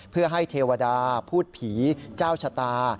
เพื่อให้เทวดาพูดผีเจ้าชะตา